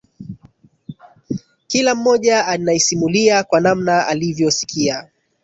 Kila mmoja anaisimulia kwa namna alivyosikia